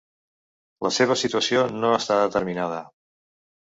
La seva situació no està determinada.